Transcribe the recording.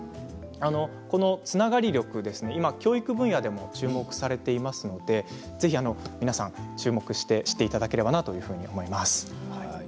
このつながり力、教育分野でも注目されていますのでぜひ皆さん注目していただければなと思います。